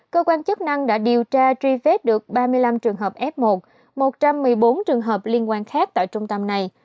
cơ quan chức năng đã điều tra truy vết được ba mươi năm trường hợp f một một trăm một mươi bốn trường hợp liên quan khác tại trung tâm này